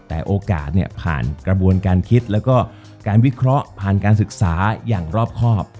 แต่โอกาสเนี่ยผ่านกระบวนการคิดแล้วก็การวิเคราะห์ผ่านการศึกษาอย่างรอบครอบ